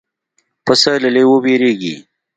پسه له لېوه وېرېږي.